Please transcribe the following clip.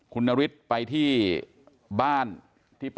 กลุ่มตัวเชียงใหม่